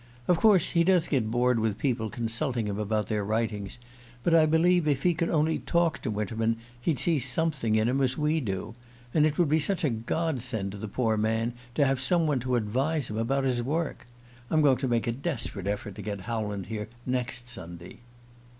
Of course he does get bored with people consulting him about their writings but I believe if he could only talk to Winterman he'd see something in him, as we do. And it would be such a god send to the poor man to have some one to advise him about his work. I'm going to make a desperate effort to get Howland here next Sunday."